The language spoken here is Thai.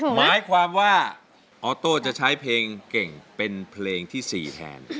หมายความว่าออโต้จะใช้เพลงเก่งเป็นเพลงที่๔แทน